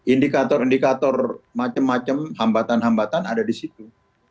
indikator indikator macam macam hambatan hambatan ada di situ